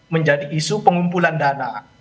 menjadi isu pengumpulan dana